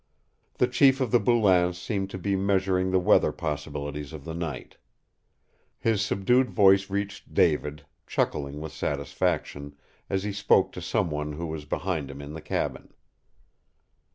The chief of the Boulains seemed to be measuring the weather possibilities of the night. His subdued voice reached David, chuckling with satisfaction, as he spoke to some one who was behind him in the cabin.